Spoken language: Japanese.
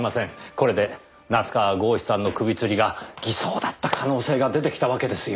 これで夏河郷士さんの首つりが偽装だった可能性が出てきたわけですよ。